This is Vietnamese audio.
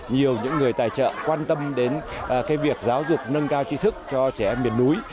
nhiều những người tài trợ quan tâm đến việc giáo dục nâng cao trí thức cho trẻ em miền núi